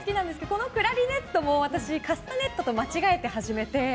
このクラリネットも私、カスタネットと間違えて始めて。